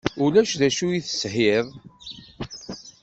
Ulac d acu i teshiḍ?